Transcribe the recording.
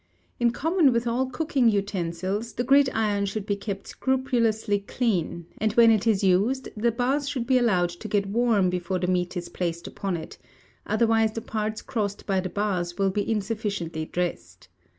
In common with all cooking utensils the Gridiron should be kept scrupulously clean; and when it is used, the bars should be allowed to get warm before the meat is placed upon it, otherwise the parts crossed by the bars will be insufficiently dressed.